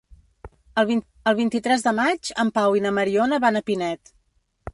El vint-i-tres de maig en Pau i na Mariona van a Pinet.